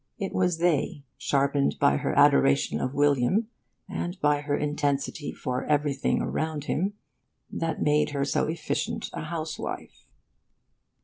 It was they, sharpened by her adoration of William, and by her intensity for everything around him, that made her so efficient a housewife.